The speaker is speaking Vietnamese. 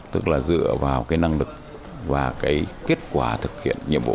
tức là dựa vào cái năng lực và cái kết quả thực hiện nhiệm vụ